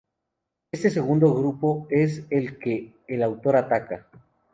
Este segundo grupo es el que el autor ataca.